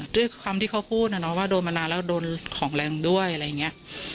ด้วยความที่เขาพูดนะเนาะว่าโดนมานานแล้วโดนของแรงด้วยอะไรอย่างนี้